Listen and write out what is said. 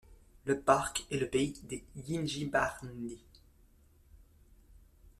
Le parc est le pays des Yinjibarndi.